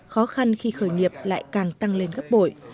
khó khăn khi khởi nghiệp lại càng tăng lên gấp bội